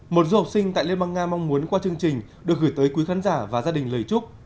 một du học sinh tại liên bang nga mong muốn qua chương trình được gửi tới quý khán giả và gia đình lời chúc